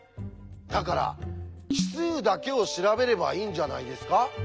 だから奇数だけを調べればいいんじゃないですか？